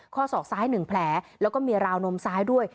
ข้อศอกซ้าย๑แผลแล้วก็มีราวนมซ้ายด้วย